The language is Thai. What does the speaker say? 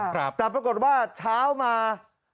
แต่ปรากฏว่าเช้ามา